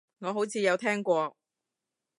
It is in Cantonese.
我好似有聽過